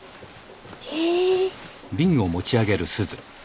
へぇ。